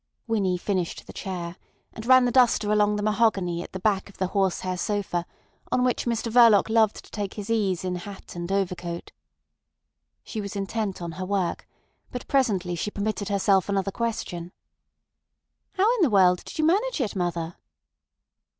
Winnie finished the chair, and ran the duster along the mahogany at the back of the horse hair sofa on which Mr Verloc loved to take his ease in hat and overcoat. She was intent on her work, but presently she permitted herself another question. "How in the world did you manage it, mother?"